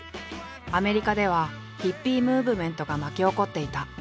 アメリカではヒッピー・ムーブメントが巻き起こっていた。